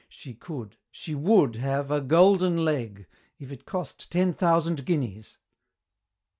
She could she would have a Golden Leg, If it cost ten thousand guineas!